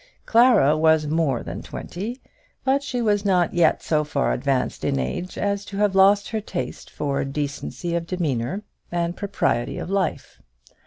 Clara was more than twenty; but she was not yet so far advanced in age as to have lost her taste for decency of demeanour and propriety of life.